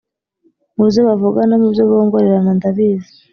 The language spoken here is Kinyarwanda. mu byo bavuga no mu byo bongorerana ndabizi